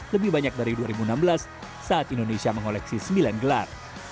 lebih banyak dari dua ribu enam belas saat indonesia mengoleksi sembilan gelar